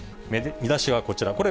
見出しはこちら。